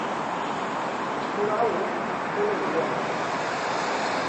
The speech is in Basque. Espora hauek, polen aleak dira.